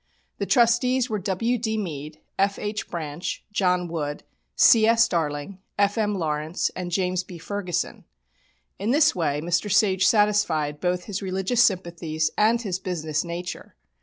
The trustees were W.D. Mead, F.H. Branch, John Wood, C.S. Darling, F.M. Lawrence, and James B. Ferguson. In this way Mr. Sage satisfied both his religious sympathies and his business nature.